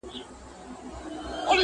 o هيڅ چا د مور په نس کي شى نه دئ زده کری!